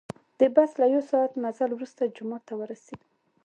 د بس له یو ساعت مزل وروسته جومات ته ورسیدو.